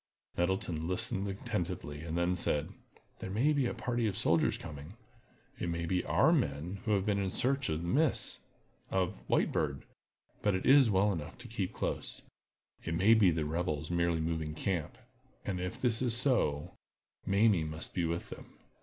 Nettleton listened attentively, and then said: "There is a party of soldiers coming. It may be our men who have been in search of Miss—— of the White Bird; but, it is well enough to keep close. It may be the rebels merely moving camp. And if this is so, Mamie must be with them.